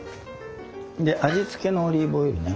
で味付けのオリーブオイルね